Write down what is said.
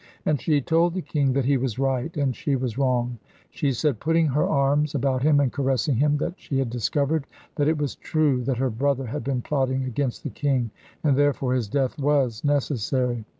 And she told the king that he was right, and she was wrong. She said, putting her arms about him and caressing him, that she had discovered that it was true that her brother had been plotting against the king, and therefore his death was necessary.